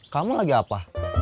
kamu lagi apa